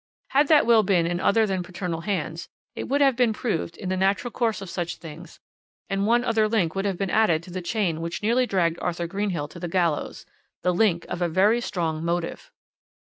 Had that will been in other than paternal hands, it would have been proved, in the natural course of such things, and one other link would have been added to the chain which nearly dragged Arthur Greenhill to the gallows 'the link of a very strong motive.'